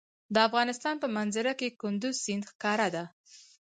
د افغانستان په منظره کې کندز سیند ښکاره ده.